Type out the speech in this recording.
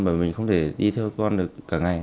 và mình không thể đi theo con được cả ngày